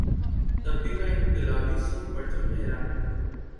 طبقے کا انقلابی سرخ پرچم لہرانے لگا